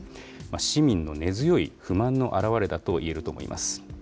市民の根強い不満の表れだといえると思います。